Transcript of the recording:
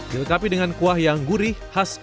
dilengkapi dengan kuah yang gurih khas dan enak